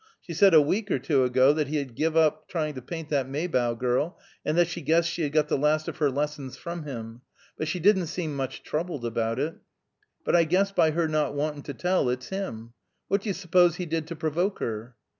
She said a week or two ago that he had give up trying to paint that Maybough girl, and that she guessed she had got the last of her lessons from him; but she didn't seem much troubled about it. But I guess by her not wantin' to tell, it's him. What do you suppose he did to provoke her?"